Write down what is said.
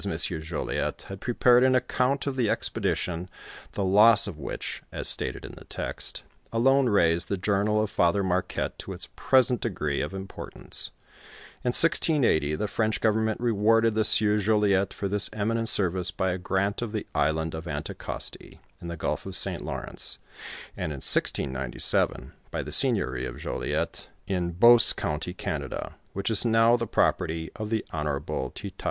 Jollyet had prepared an account of the expedi tion, the loss of which, as stated in the text, alone raised the journal of Father Marquette to its present degree of import; nee, (In 1680, tlie French govern ment rewarded the Sieur Jollyet for this eminent service by a grant of the island of Anticosti, in the gulf of St Lawrence ; and, in 1697, by the seignory of Jollyet, in Beauce county, Canada, which is now the property of the Hon. T.